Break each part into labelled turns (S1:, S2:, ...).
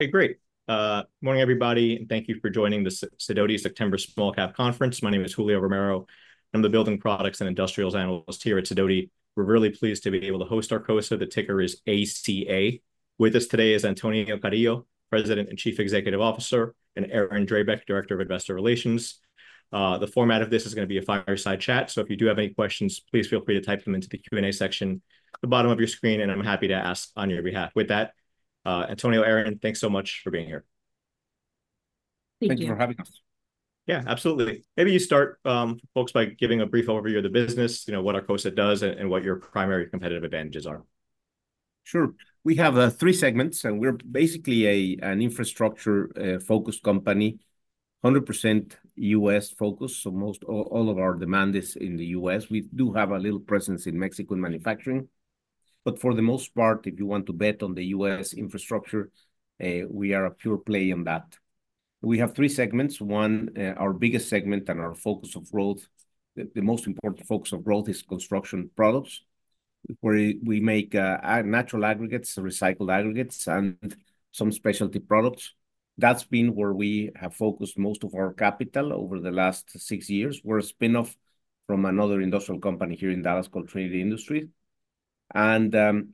S1: Okay, great. Morning, everybody, and thank you for joining the Sidoti September Small Cap Conference. My name is Julio Romero. I'm the building products and industrials analyst here at Sidoti. We're really pleased to be able to host Arcosa. The ticker is ACA. With us today is Antonio Carrillo, President and Chief Executive Officer, and Erin Drabek, Director of Investor Relations. The format of this is gonna be a fireside chat, so if you do have any questions, please feel free to type them into the Q&A section at the bottom of your screen, and I'm happy to ask on your behalf. With that, Antonio, Erin, thanks so much for being here.
S2: Thank you.
S3: Thank you for having us.
S1: Yeah, absolutely. Maybe you start, folks, by giving a brief overview of the business, you know, what Arcosa does, and what your primary competitive advantages are?
S3: Sure. We have three segments, and we're basically a, an infrastructure focused company, 100% U.S. focused, so most all of our demand is in the U.S. We do have a little presence in Mexican manufacturing, but for the most part, if you want to bet on the U.S. infrastructure, we are a pure play in that. We have three segments: One, our biggest segment and our focus of growth, the most important focus of growth is construction products, where we make natural aggregates, recycled aggregates, and some specialty products. That's been where we have focused most of our capital over the last six years. We're a spin-off from another industrial company here in Dallas called Trinity Industries. The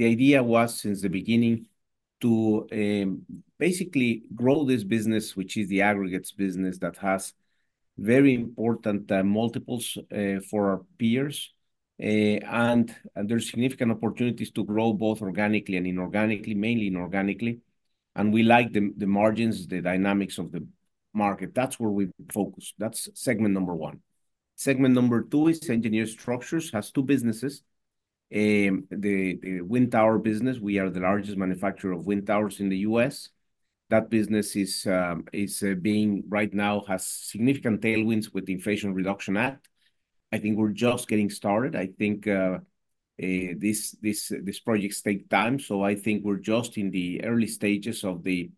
S3: idea was, since the beginning, to basically grow this business, which is the aggregates business, that has very important multiples for our peers. And there are significant opportunities to grow both organically and inorganically, mainly inorganically, and we like the margins, the dynamics of the market. That's where we focus. That's segment number one. Segment number two is engineered structures, has two businesses, the wind tower business. We are the largest manufacturer of wind towers in the U.S. That business right now has significant tailwinds with the Inflation Reduction Act. I think we're just getting started. I think these projects take time, so I think we're just in the early stages of the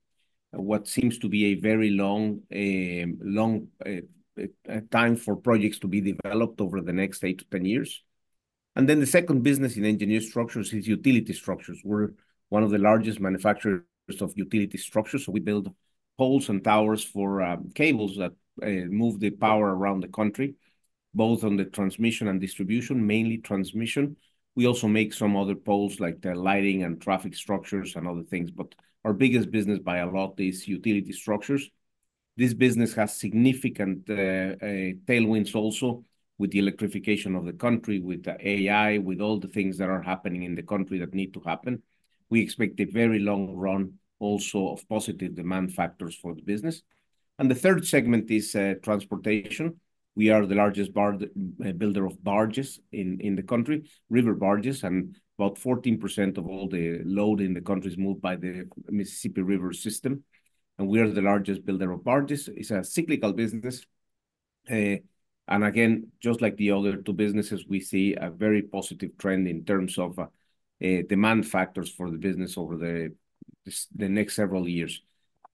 S3: what seems to be a very long time for projects to be developed over the next eight to ten years. And then the second business in engineered structures is utility structures. We're one of the largest manufacturers of utility structures, so we build poles and towers for cables that move the power around the country, both on the transmission and distribution, mainly transmission. We also make some other poles, like the lighting and traffic structures and other things, but our biggest business by a lot is utility structures. This business has significant tailwinds also with the electrification of the country, with the AI, with all the things that are happening in the country that need to happen. We expect a very long run also of positive demand factors for the business. And the third segment is, transportation. We are the largest barge, builder of barges in the country, river barges, and about 14% of all the load in the country is moved by the Mississippi River system, and we are the largest builder of barges. It's a cyclical business, and again, just like the other two businesses, we see a very positive trend in terms of, demand factors for the business over the next several years.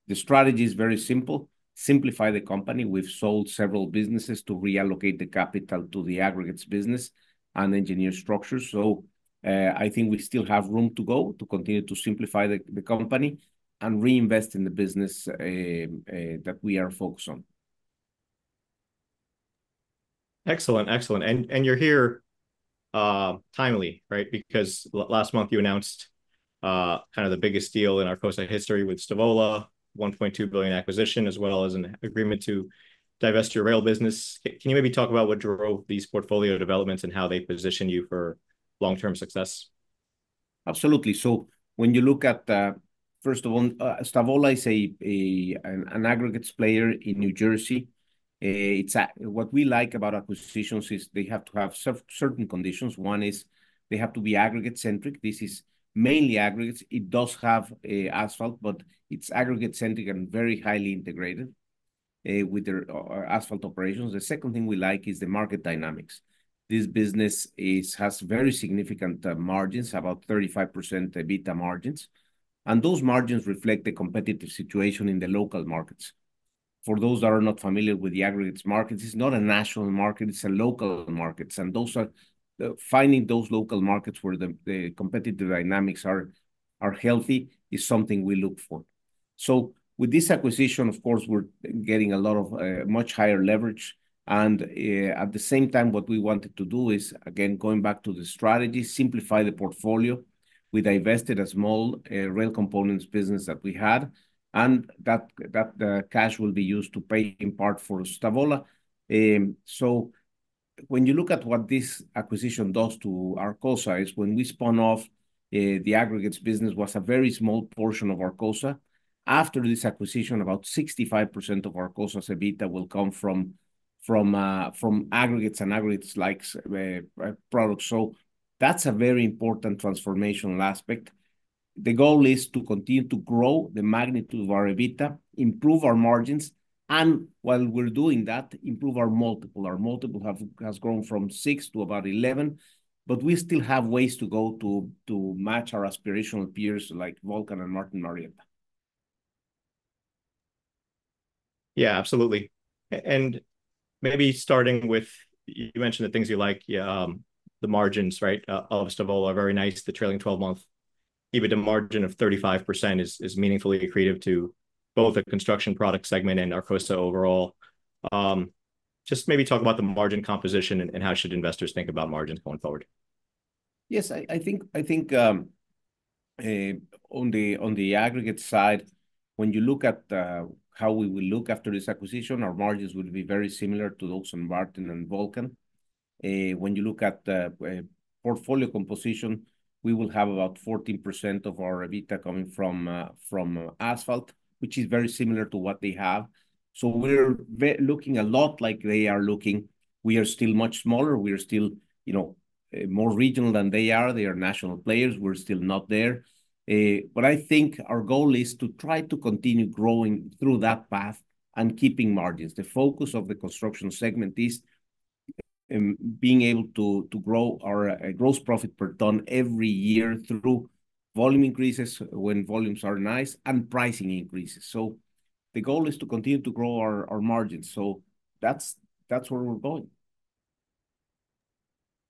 S3: The strategy is very simple: simplify the company. We've sold several businesses to reallocate the capital to the aggregates business and engineer structures. So, I think we still have room to go to continue to simplify the company and reinvest in the business, that we are focused on.
S1: Excellent, excellent. And you're here timely, right? Because last month you announced kind of the biggest deal in Arcosa history with Stavola, $1.2 billion acquisition, as well as an agreement to divest your rail business. Can you maybe talk about what drove these portfolio developments and how they position you for long-term success?
S3: Absolutely. So when you look at, First of all, Stavola is an aggregates player in New Jersey. It's what we like about acquisitions is they have to have certain conditions. One is they have to be aggregate-centric. This is mainly aggregates. It does have asphalt, but it's aggregate-centric and very highly integrated with their asphalt operations. The second thing we like is the market dynamics. This business has very significant margins, about 35% EBITDA margins, and those margins reflect the competitive situation in the local markets. For those that are not familiar with the aggregates markets, it's not a national market, it's local markets, and finding those local markets where the competitive dynamics are healthy is something we look for. So with this acquisition, of course, we're getting a lot of much higher leverage, and at the same time, what we wanted to do is, again, going back to the strategy, simplify the portfolio. We divested a small rail components business that we had, and that cash will be used to pay in part for Stavola. So when you look at what this acquisition does to Arcosa is, when we spun off the aggregates business, was a very small portion of Arcosa. After this acquisition, about 65% of Arcosa's EBITDA will come from aggregates and aggregates-like products. So that's a very important transformational aspect. The goal is to continue to grow the magnitude of our EBITDA, improve our margins, and while we're doing that, improve our multiple. Our multiple has grown from six to about 11, but we still have ways to go to match our aspirational peers, like Vulcan and Martin Marietta....
S1: Yeah, absolutely, and maybe starting with, you mentioned the things you like, the margins, right? All of Stavola are very nice. The trailing 12 month EBITDA margin of 35% is meaningfully accretive to both the construction product segment and Arcosa overall. Just maybe talk about the margin composition and how should investors think about margins going forward?
S3: Yes, I think on the aggregate side, when you look at how we will look after this acquisition, our margins will be very similar to those in Martin and Vulcan. When you look at a portfolio composition, we will have about 14% of our EBITDA coming from asphalt, which is very similar to what they have. So we're looking a lot like they are looking. We are still much smaller, we are still, you know, more regional than they are. They are national players, we're still not there. But I think our goal is to try to continue growing through that path and keeping margins. The focus of the construction segment is being able to grow our gross profit per ton every year through volume increases, when volumes are nice, and pricing increases. So the goal is to continue to grow our margins, so that's where we're going.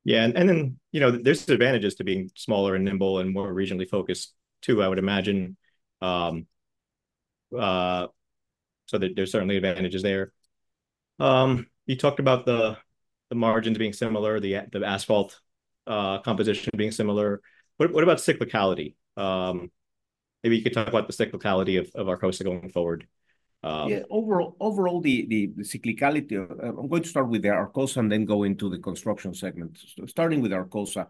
S1: Yeah, and then, you know, there's advantages to being smaller and nimble and more regionally focused, too, I would imagine. So there, there's certainly advantages there. You talked about the margins being similar, the asphalt composition being similar. What about cyclicality? Maybe you could talk about the cyclicality of Arcosa going forward.
S3: Yeah. Overall, the cyclicality of... I'm going to start with Arcosa and then go into the construction segment. Starting with Arcosa,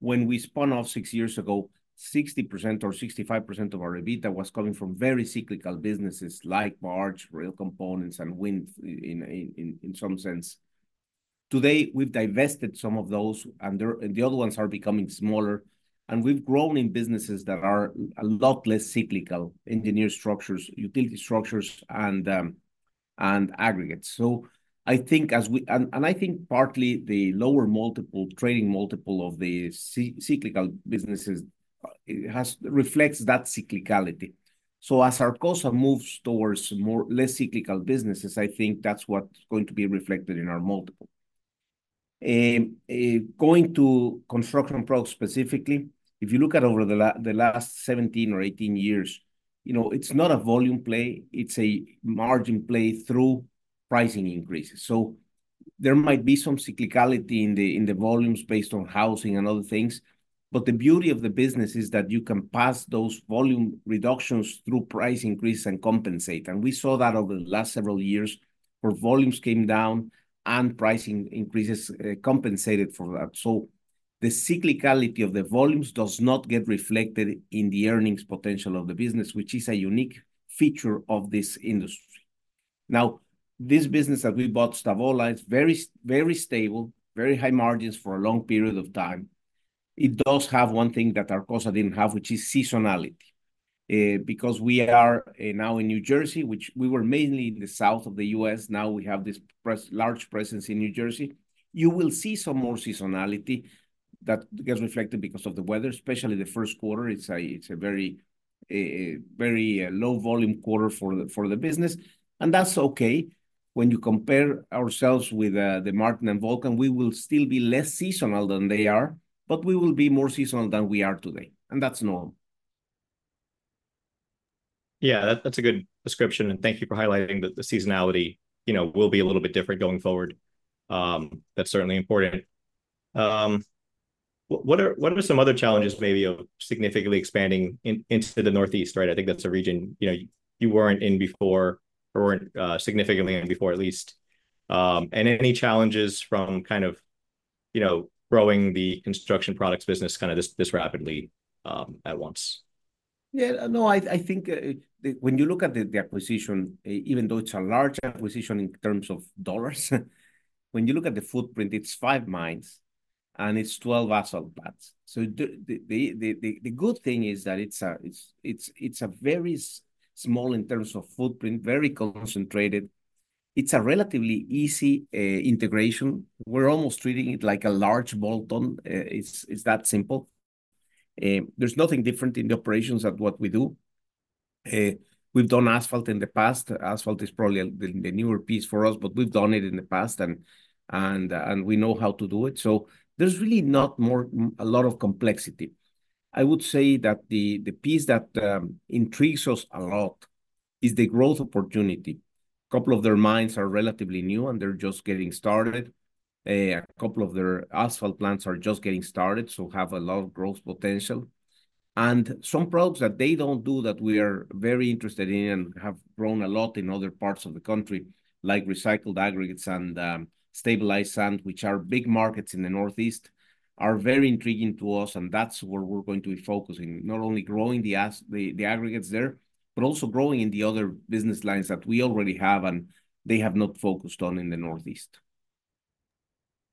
S3: when we spun off six years ago, 60% or 65% of our EBITDA was coming from very cyclical businesses like barge, rail components, and wind in some sense. Today, we've divested some of those, and they're and the other ones are becoming smaller, and we've grown in businesses that are a lot less cyclical: engineered structures, utility structures, and aggregates. So I think as we... I think partly the lower multiple, trading multiple of the cyclical businesses, it reflects that cyclicality. So as Arcosa moves towards more less cyclical businesses, I think that's what's going to be reflected in our multiple. Going to construction products specifically, if you look at over the last 17 or 18 years, you know, it's not a volume play, it's a margin play through pricing increases. So there might be some cyclicality in the volumes based on housing and other things, but the beauty of the business is that you can pass those volume reductions through price increase and compensate. And we saw that over the last several years, where volumes came down and pricing increases compensated for that. So the cyclicality of the volumes does not get reflected in the earnings potential of the business, which is a unique feature of this industry. Now, this business that we bought, Stavola, is very stable, very high margins for a long period of time. It does have one thing that Arcosa didn't have, which is seasonality. Because we are now in New Jersey, which we were mainly in the south of the U.S., now we have this large presence in New Jersey. You will see some more seasonality that gets reflected because of the weather, especially the first quarter. It's a very low volume quarter for the business, and that's okay. When you compare ourselves with the Martin and Vulcan, we will still be less seasonal than they are, but we will be more seasonal than we are today, and that's normal.
S1: Yeah, that's a good description, and thank you for highlighting the seasonality, you know, will be a little bit different going forward. That's certainly important. What are some other challenges maybe of significantly expanding into the Northeast, right? I think that's a region, you know, you weren't in before or weren't significantly in before, at least. And any challenges from kind of, you know, growing the construction products business kind of this rapidly, at once?
S3: Yeah, no, I think when you look at the acquisition, even though it's a large acquisition in terms of dollars, when you look at the footprint, it's five mines and it's 12 asphalt plants. So the good thing is that it's a very small in terms of footprint, very concentrated. It's a relatively easy integration. We're almost treating it like a large bolt-on. It's that simple. There's nothing different in the operations at what we do. We've done asphalt in the past. Asphalt is probably the newer piece for us, but we've done it in the past and we know how to do it. So there's really not a lot of complexity. I would say that the piece that intrigues us a lot is the growth opportunity. A couple of their mines are relatively new, and they're just getting started. A couple of their asphalt plants are just getting started, so have a lot of growth potential, and some products that they don't do that we are very interested in and have grown a lot in other parts of the country, like recycled aggregates and stabilized sand, which are big markets in the Northeast, are very intriguing to us, and that's where we're going to be focusing. Not only growing the aggregates there, but also growing in the other business lines that we already have and they have not focused on in the Northeast.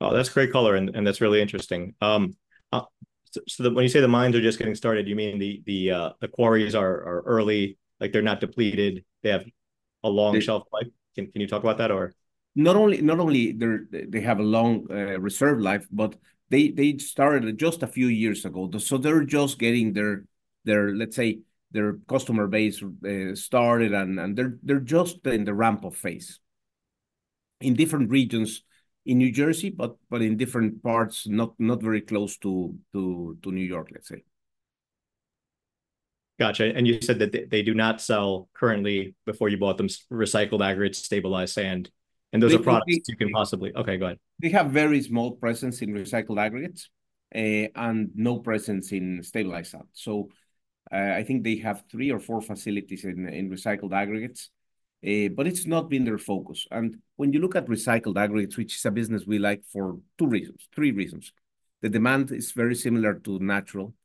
S1: Oh, that's great color, and that's really interesting. So when you say the mines are just getting started, you mean the quarries are early, like they're not depleted, they have a long shelf life? Can you talk about that, or...?
S3: Not only they have a long reserve life, but they started just a few years ago, so they're just getting their, let's say, customer base started, and they're just in the ramp-up phase. In different regions in New Jersey, but in different parts, not very close to New York, let's say.
S1: Gotcha. And you said that they do not sell currently, before you bought them, recycled aggregates, stabilized sand-
S3: They, they-
S1: And those are products you can possibly-- Okay, go ahead.
S3: They have very small presence in recycled aggregates, and no presence in stabilized sand. So, I think they have three or four facilities in recycled aggregates. But it's not been their focus. And when you look at recycled aggregates, which is a business we like for two reasons, three reasons. The demand is very similar to natural.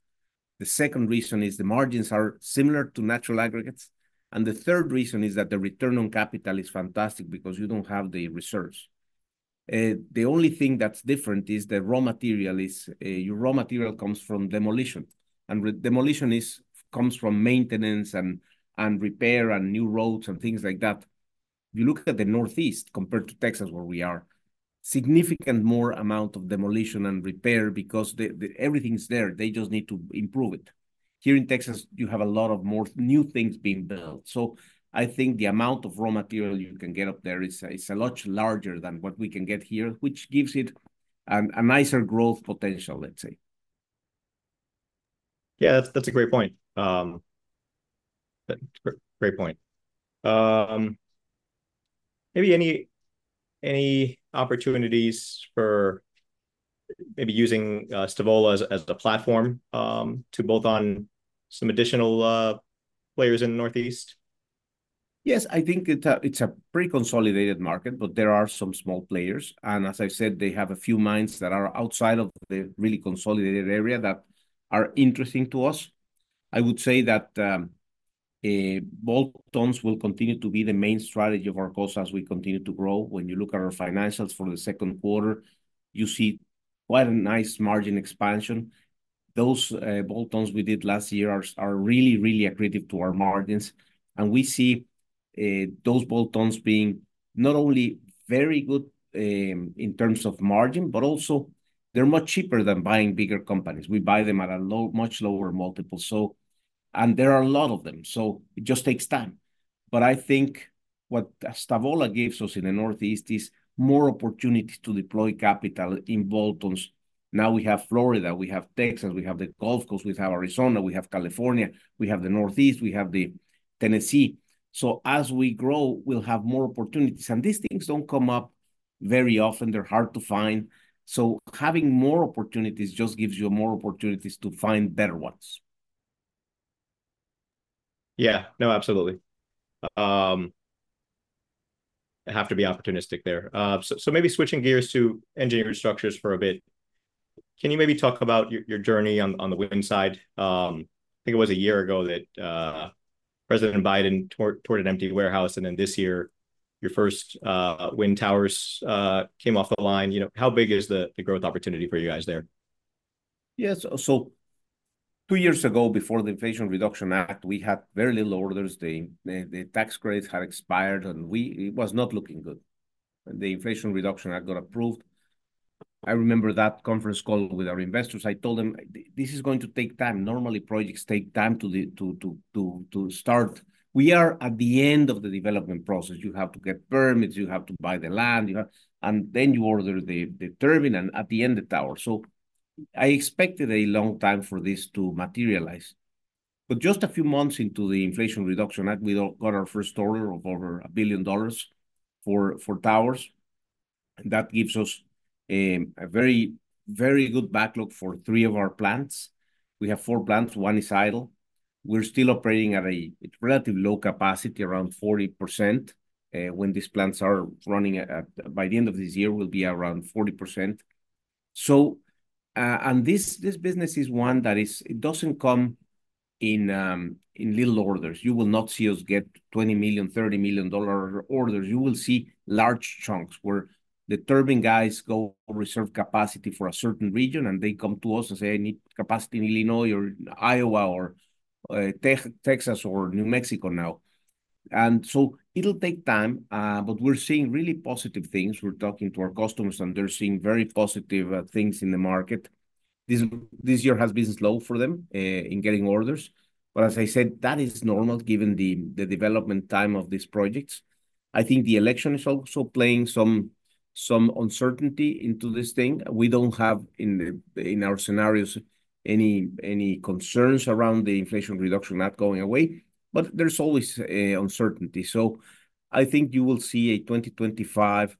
S3: The second reason is the margins are similar to natural aggregates. And the third reason is that the return on capital is fantastic because you don't have the reserves. The only thing that's different is the raw material is your raw material comes from demolition, and demolition comes from maintenance, and repair, and new roads, and things like that. You look at the Northeast compared to Texas, where we are, significant more amount of demolition and repair because the everything's there, they just need to improve it. Here in Texas, you have a lot of more new things being built. So I think the amount of raw material you can get up there is a much larger than what we can get here, which gives it a nicer growth potential, let's say.
S1: Yeah, that's a great point. Great point. Maybe any opportunities for maybe using Stavola as the platform to build on some additional players in the Northeast?
S3: Yes, I think it's a pretty consolidated market, but there are some small players. And as I said, they have a few mines that are outside of the really consolidated area that are interesting to us. I would say that bolt-ons will continue to be the main strategy of our goals as we continue to grow. When you look at our financials for the second quarter, you see quite a nice margin expansion. Those bolt-ons we did last year are really accretive to our margins, and we see those bolt-ons being not only very good in terms of margin, but also they're much cheaper than buying bigger companies. We buy them at a much lower multiple, so... And there are a lot of them, so it just takes time. But I think what Stavola gives us in the Northeast is more opportunity to deploy capital in bolt-ons. Now we have Florida, we have Texas, we have the Gulf Coast, we have Arizona, we have California, we have the Northeast, we have the Tennessee. So as we grow, we'll have more opportunities. And these things don't come up very often, they're hard to find, so having more opportunities just gives you more opportunities to find better ones.
S1: Yeah. No, absolutely. You have to be opportunistic there. So maybe switching gears to engineered structures for a bit, can you maybe talk about your journey on the wind side? I think it was a year ago that President Biden toured an empty warehouse, and then this year, your first wind towers came off the line. You know, how big is the growth opportunity for you guys there?
S3: Yes. So two years ago, before the Inflation Reduction Act, we had very little orders. The tax credits had expired, and it was not looking good. The Inflation Reduction Act got approved. I remember that conference call with our investors. I told them, "This is going to take time." Normally, projects take time to start. We are at the end of the development process. You have to get permits, you have to buy the land, you have... And then you order the turbine, and at the end, the tower. So I expected a long time for this to materialize. But just a few months into the Inflation Reduction Act, we got our first order of over $1 billion for towers, and that gives us a very, very good backlog for three of our plants. We have four plants, one is idle. We're still operating at a relatively low capacity, around 40%. When these plants are running at by the end of this year, we'll be around 40%. So, and this business is one that is it doesn't come in little orders. You will not see us get $20 million, $30 million orders. You will see large chunks where the turbine guys go reserve capacity for a certain region, and they come to us and say, "I need capacity in Illinois, or Iowa, or Texas or New Mexico now." And so it'll take time, but we're seeing really positive things. We're talking to our customers, and they're seeing very positive things in the market. This year has been slow for them in getting orders, but as I said, that is normal given the development time of these projects. I think the election is also playing some uncertainty into this thing. We don't have, in our scenarios, any concerns around the Inflation Reduction Act going away, but there's always uncertainty. So I think you will see a 2025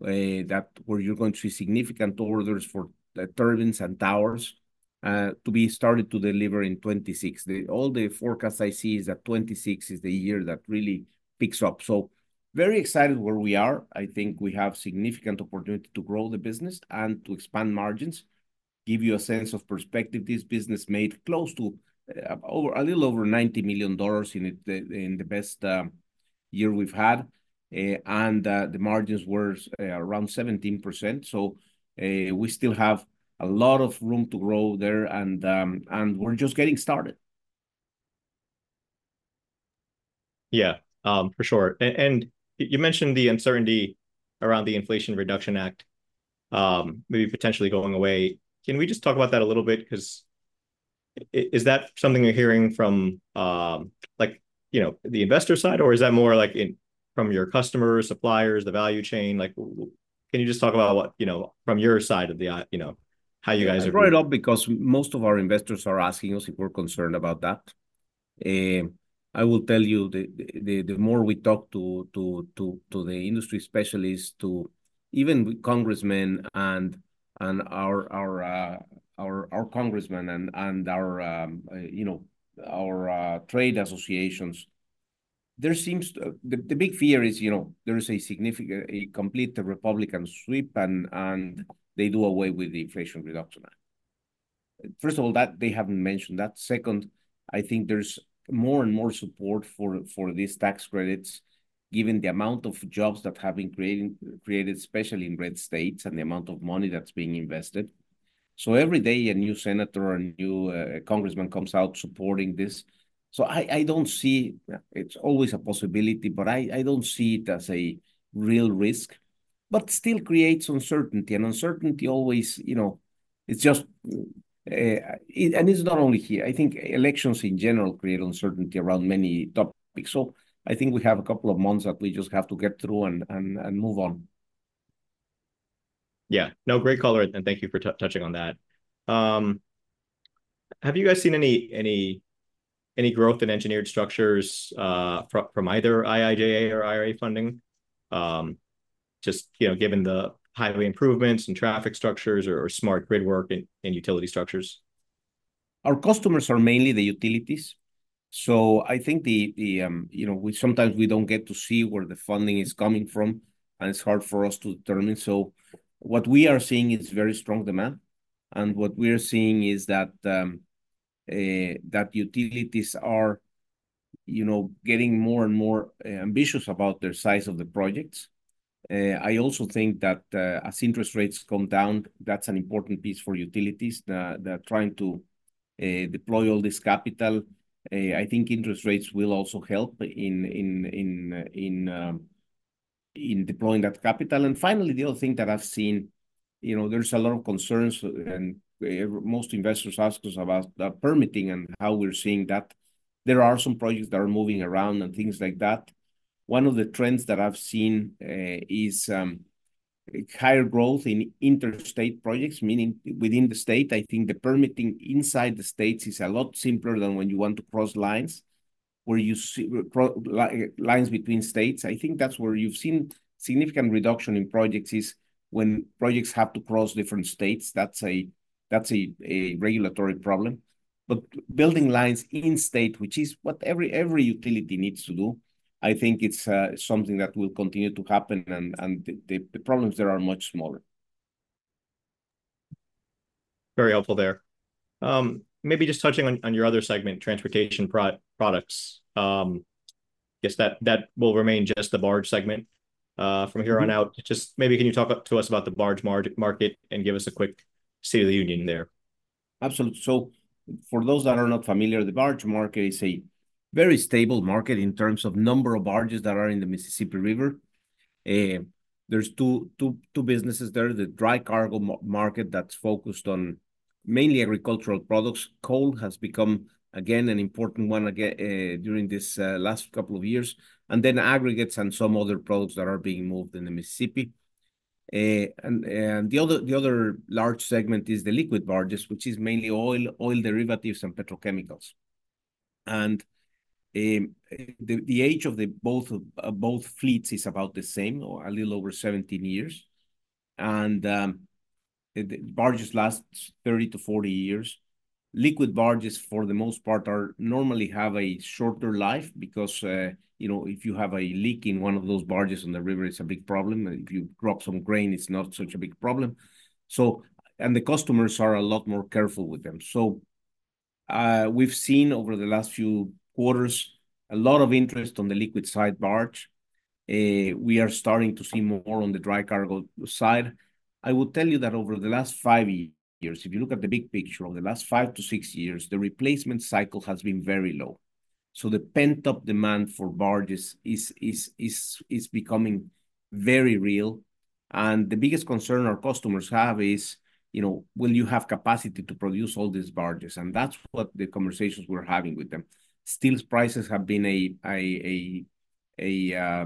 S3: that where you're going to see significant orders for the turbines and towers to be started to deliver in 2026. The all the forecasts I see is that 2026 is the year that really picks up. Very excited where we are. I think we have significant opportunity to grow the business and to expand margins. Give you a sense of perspective, this business made close to a little over $90 million in the best year we've had, and the margins were around 17%. So we still have a lot of room to grow there, and we're just getting started....
S1: Yeah, for sure. And you mentioned the uncertainty around the Inflation Reduction Act, maybe potentially going away. Can we just talk about that a little bit? 'Cause is that something you're hearing from, like, you know, the investor side, or is that more like from your customers, suppliers, the value chain? Like, can you just talk about what, you know, from your side of the you know, how you guys are-
S3: I brought it up because most of our investors are asking us if we're concerned about that. I will tell you the more we talk to the industry specialists, to even congressmen and our congressmen and our trade associations, you know, there seems. The big fear is, you know, there is a complete Republican sweep and they do away with the Inflation Reduction Act. First of all, they haven't mentioned that. Second, I think there's more and more support for these tax credits, given the amount of jobs that have been created, especially in red states, and the amount of money that's being invested. So every day, a new senator or a new congressman comes out supporting this. So I don't see... It's always a possibility, but I don't see it as a real risk, but still creates uncertainty. And uncertainty always, you know, it's just, and it's not only here. I think elections in general create uncertainty around many topics. So I think we have a couple of months that we just have to get through and move on.
S1: Yeah. No, great call, and thank you for touching on that. Have you guys seen any growth in engineered structures from either IIJA or IRA funding? Just, you know, given the highway improvements and traffic structures or smart grid work and utility structures.
S3: Our customers are mainly the utilities, so I think. You know, we sometimes don't get to see where the funding is coming from, and it's hard for us to determine. So what we are seeing is very strong demand, and what we are seeing is that utilities are, you know, getting more and more ambitious about the size of the projects. I also think that as interest rates come down, that's an important piece for utilities. They're trying to deploy all this capital. I think interest rates will also help in deploying that capital. And finally, the other thing that I've seen, you know, there's a lot of concerns, and most investors ask us about the permitting and how we're seeing that. There are some projects that are moving around and things like that. One of the trends that I've seen is higher growth in interstate projects, meaning within the state. I think the permitting inside the states is a lot simpler than when you want to cross lines, where you see cross lines between states. I think that's where you've seen significant reduction in projects is when projects have to cross different states. That's a regulatory problem. But building lines in state, which is what every utility needs to do, I think it's something that will continue to happen, and the problems there are much smaller.
S1: Very helpful there. Maybe just touching on your other segment, transportation products. I guess that will remain just the barge segment, from here on out.
S3: Mm-hmm.
S1: Just maybe, can you talk up to us about the barge market, and give us a quick state of the union there?
S3: Absolutely. So for those that are not familiar, the barge market is a very stable market in terms of number of barges that are in the Mississippi River. There's two businesses there. The dry cargo market that's focused on mainly agricultural products. Coal has become, again, an important one again during this last couple of years, and then aggregates and some other products that are being moved in the Mississippi. The other large segment is the liquid barges, which is mainly oil, oil derivatives, and petrochemicals. The age of both fleets is about the same or a little over 17 years. The barges lasts 30-40 years. Liquid barges, for the most part, are normally have a shorter life because, you know, if you have a leak in one of those barges on the river, it's a big problem, and if you drop some grain, it's not such a big problem. So the customers are a lot more careful with them. So, we've seen over the last few quarters, a lot of interest on the liquid side barge. We are starting to see more on the dry cargo side. I will tell you that over the last five years, if you look at the big picture, over the last five to six years, the replacement cycle has been very low. So the pent-up demand for barges is becoming very real, and the biggest concern our customers have is, you know, will you have capacity to produce all these barges? And that's what the conversations we're having with them. Steel prices have been a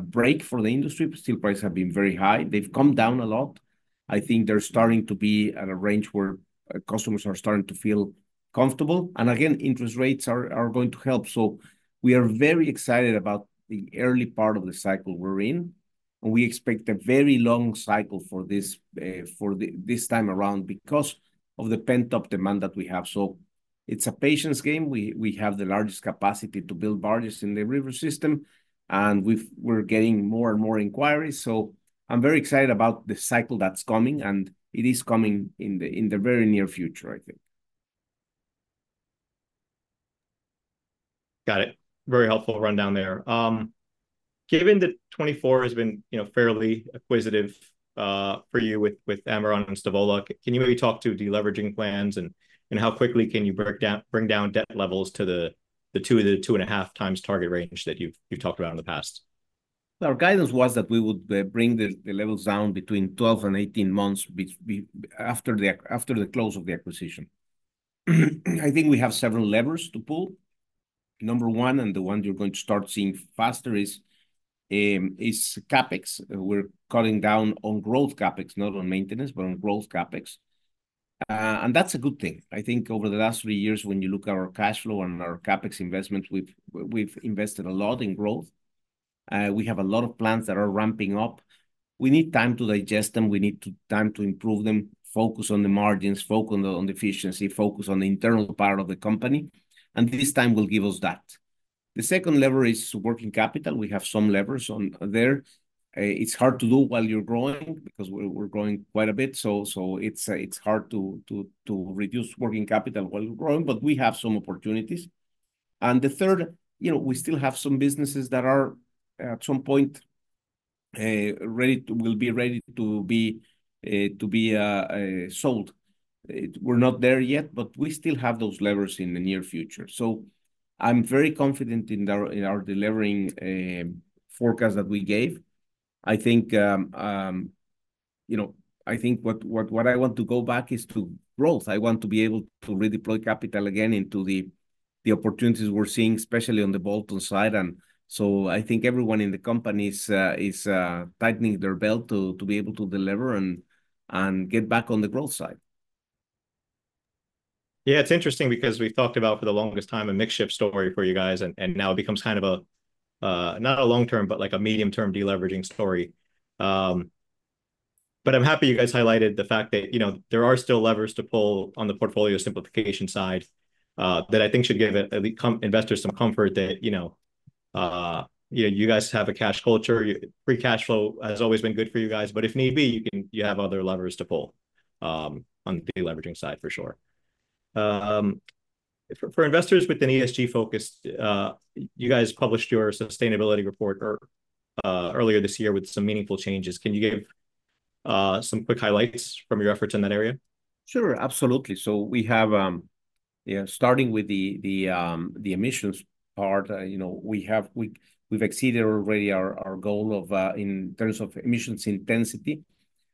S3: break for the industry. Steel prices have been very high. They've come down a lot. I think they're starting to be at a range where customers are starting to feel comfortable, and again, interest rates are going to help. So we are very excited about the early part of the cycle we're in, and we expect a very long cycle for this, this time around because of the pent-up demand that we have. So it's a patience game. We have the largest capacity to build barges in the river system, and we're getting more and more inquiries. So I'm very excited about the cycle that's coming, and it is coming in the very near future, I think.
S1: Got it. Very helpful rundown there. Given that 2024 has been, you know, fairly acquisitive for you with Ameron and Stavola, can you maybe talk to deleveraging plans, and how quickly can you bring down debt levels to the two to two and a half times target range that you've talked about in the past?
S3: Our guidance was that we would bring the levels down between 12 and 18 months, which will be after the close of the acquisition. I think we have several levers to pull. Number one, and the one you're going to start seeing faster, is CapEx. We're cutting down on growth CapEx, not on maintenance, but on growth CapEx, and that's a good thing. I think over the last three years, when you look at our cash flow and our CapEx investment, we've invested a lot in growth. We have a lot of plans that are ramping up. We need time to digest them, we need time to improve them, focus on the margins, focus on the efficiency, focus on the internal part of the company, and this time will give us that. The second lever is working capital. We have some levers on there. It's hard to do while you're growing, because we're growing quite a bit, so it's hard to reduce working capital while growing, but we have some opportunities. And the third, you know, we still have some businesses that are, at some point, ready to be sold. We're not there yet, but we still have those levers in the near future. So I'm very confident in our delivering forecast that we gave. I think, you know, I think what I want to go back is to growth. I want to be able to redeploy capital again into the opportunities we're seeing, especially on the bolt-on side. And so I think everyone in the company is tightening their belt to be able to deliver and get back on the growth side.
S1: Yeah, it's interesting because we've talked about, for the longest time, a mixed ship story for you guys, and now it becomes kind of a not a long-term, but like a medium-term deleveraging story. But I'm happy you guys highlighted the fact that, you know, there are still levers to pull on the portfolio simplification side that I think should give the investors some comfort that, you know, yeah, you guys have a cash culture. Your free cash flow has always been good for you guys, but if need be, you have other levers to pull on the deleveraging side, for sure. For investors with an ESG focus, you guys published your sustainability report earlier this year with some meaningful changes. Can you give some quick highlights from your efforts in that area?
S3: Sure, absolutely. Starting with the emissions part, you know, we've exceeded already our goal of in terms of emissions intensity.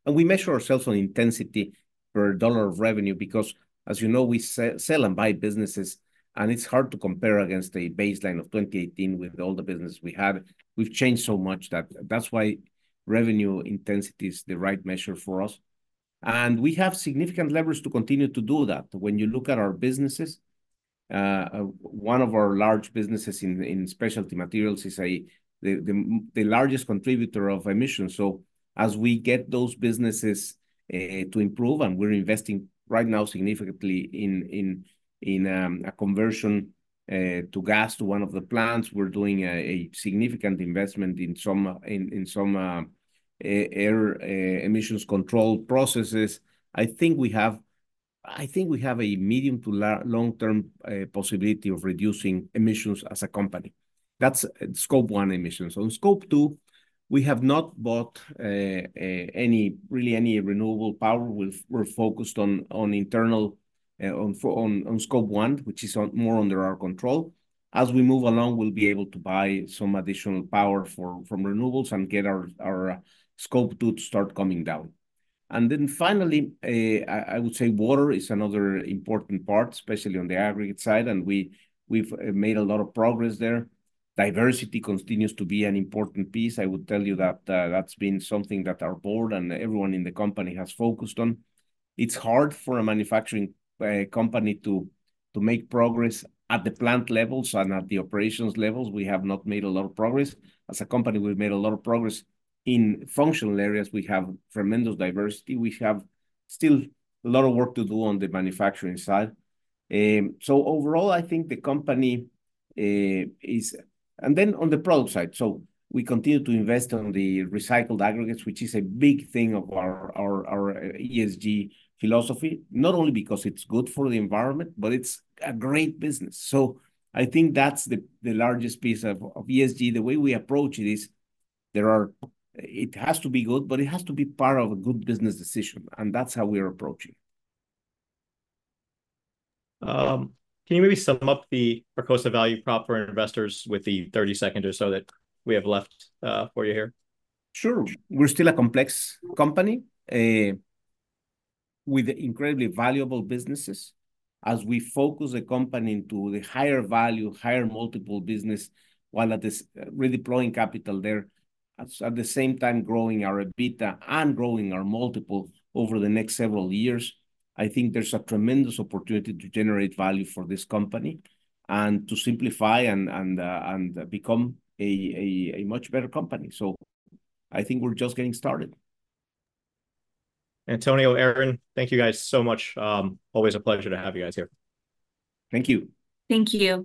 S3: And we measure ourselves on intensity per dollar of revenue, because, as you know, we sell and buy businesses, and it's hard to compare against a baseline of 2018 with all the business we had. We've changed so much that that's why revenue intensity is the right measure for us. And we have significant levers to continue to do that. When you look at our businesses, one of our large businesses in specialty materials is the largest contributor of emissions. So as we get those businesses to improve, and we're investing right now significantly in a conversion to gas to one of the plants, we're doing a significant investment in some air emissions control processes. I think we have a medium- to long-term possibility of reducing emissions as a company. That's Scope 1 emissions. On Scope 2, we have not bought really any renewable power. We're focused on internal, on Scope 1, which is more under our control. As we move along, we'll be able to buy some additional power from renewables and get our Scope 2 to start coming down. And then finally, I would say water is another important part, especially on the aggregate side, and we've made a lot of progress there. Diversity continues to be an important piece. I would tell you that, that's been something that our board and everyone in the company has focused on. It's hard for a manufacturing company to make progress at the plant levels and at the operations levels. We have not made a lot of progress. As a company, we've made a lot of progress in functional areas. We have tremendous diversity. We have still a lot of work to do on the manufacturing side. So overall, I think the company is... And then on the product side, so we continue to invest on the recycled aggregates, which is a big thing of our ESG philosophy. Not only because it's good for the environment, but it's a great business. So I think that's the largest piece of ESG. The way we approach it is... It has to be good, but it has to be part of a good business decision, and that's how we're approaching.
S1: Can you maybe sum up the Arcosa value prop for investors with the 30 seconds or so that we have left, for you here?
S3: Sure. We're still a complex company with incredibly valuable businesses. As we focus the company into the higher value, higher multiple business, while at this, redeploying capital there, at the same time growing our EBITDA and growing our multiple over the next several years, I think there's a tremendous opportunity to generate value for this company, and to simplify and become a much better company. So I think we're just getting started.
S1: Antonio, Erin, thank you guys so much. Always a pleasure to have you guys here.
S3: Thank you.
S2: Thank you.